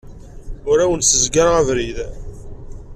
Ur awen-ssezgareɣ abrid.